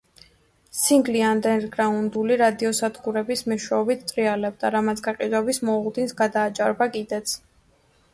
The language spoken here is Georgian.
სინგლი ანდერგრაუნდული რადიო სადგურების მეშვეობით ტრიალებდა, რამაც გაყიდვების მოლოდინს გადააჭარბა კიდეც.